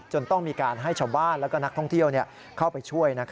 ต้องมีการให้ชาวบ้านและนักท่องเที่ยวเข้าไปช่วย